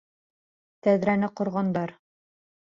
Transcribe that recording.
Тәҙрәне ҡорғандар.